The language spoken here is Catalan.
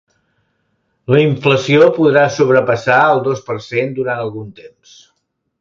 La inflació podrà sobrepassar el dos per cent durant algun temps.